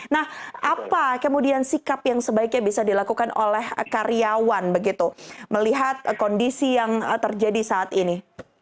nah apa kemudian sikap yang sebaiknya bisa dilakukan oleh karyawan begitu melihat kondisi yang terjadi saat ini